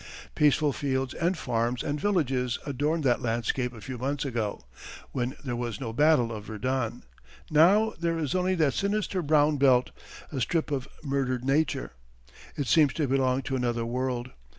Peaceful fields and farms and villages adorned that landscape a few months ago when there was no Battle of Verdun. Now there is only that sinister brown belt, a strip of murdered Nature. It seems to belong to another world.